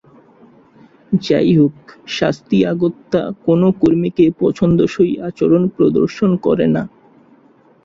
যাইহোক, শাস্তি অগত্যা কোনও কর্মীকে পছন্দসই আচরণ প্রদর্শন করে না।